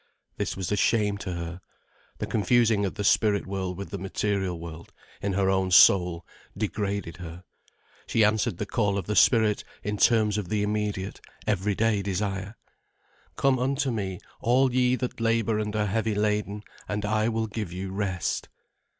This was a shame to her. The confusing of the spirit world with the material world, in her own soul, degraded her. She answered the call of the spirit in terms of immediate, everyday desire. "Come unto me, all ye that labour and are heavy laden, and I will give you rest."